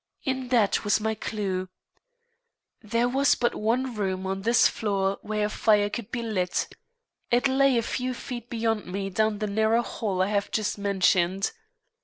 In that was my clue. There was but one room on this floor where a fire could be lit. It lay a few feet beyond me down the narrow hall I have just mentioned.